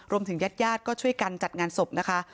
รวมถึงยาดก็ช่วยกันจัดงานสบนะคะ